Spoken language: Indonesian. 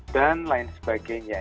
dan lain sebagainya